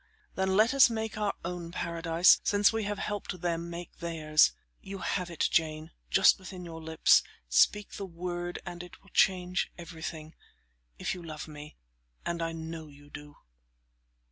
Then let us make our own paradise, since we have helped them make theirs. You have it, Jane, just within your lips; speak the word and it will change everything if you love me, and I know you do."